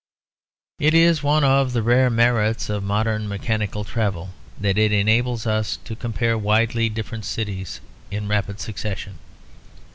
It is one of the rare merits of modern mechanical travel that it enables us to compare widely different cities in rapid succession.